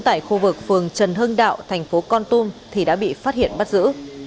tại khu vực phường trần hưng đạo thành phố con tum thì đã bị phát hiện bắt giữ